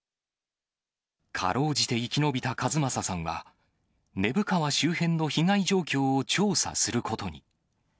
かろうじて生き延びた一正さんは、根府川周辺の被害状況を調査することに。